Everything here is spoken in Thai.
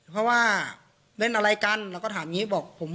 เพราะว่าเล่นอะไรกันเราก็ถามอย่างนี้บอกผม